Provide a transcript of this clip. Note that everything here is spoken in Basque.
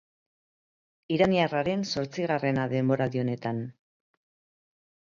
Iraniarraren zortzigarrena denboraldi honetan.